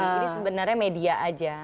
jadi sebenarnya media aja